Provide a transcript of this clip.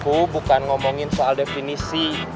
aku bukan ngomongin soal definisi